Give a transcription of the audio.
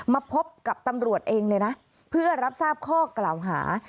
มาพบกับตำรวจเองเลยนะเพื่อรับทราบข้อกล่าวหา